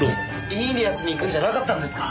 イーニアスに行くんじゃなかったんですか？